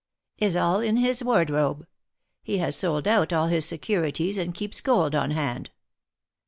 — Is all in his wardrobe. He has sold out all his securities and keeps gold on hand."